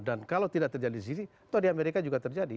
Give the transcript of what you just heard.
dan kalau tidak terjadi di sini atau di amerika juga terjadi